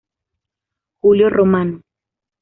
Julio Romano